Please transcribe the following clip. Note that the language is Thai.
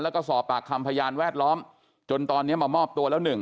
แล้วก็สอบปากคำพยานแวดล้อมจนตอนนี้มามอบตัวแล้วหนึ่ง